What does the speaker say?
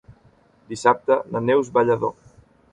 Dissabte na Neus va a Lladó.